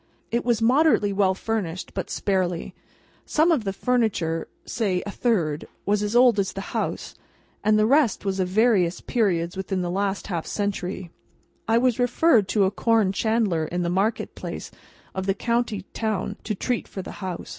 It was moderately well furnished, but sparely. Some of the furniture—say, a third—was as old as the house; the rest was of various periods within the last half century. I was referred to a corn chandler in the market place of the county town to treat for the house.